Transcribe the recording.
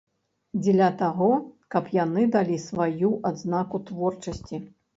Дзеля таго, каб яны далі сваю адзнаку творчасці.